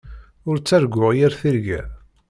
Ur ttarguɣ yir tirga.